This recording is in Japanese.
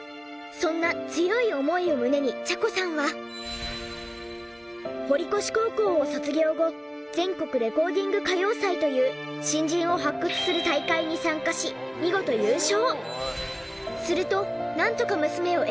そんな強い思いを胸に茶子さんは。堀越高校を卒業後全国レコーディング歌謡祭という新人を発掘する大会に参加し見事優勝！